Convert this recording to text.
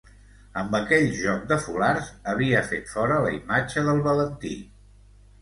Amb aquell joc de fulards havia fet fora la imatge del Valentí.